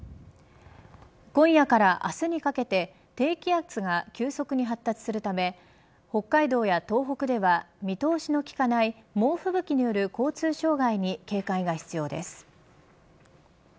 今夜から明日にかけて低気圧が急速に発達するため北海道や東北では見通しのきかない猛吹雪による交通障害に警戒が必要です。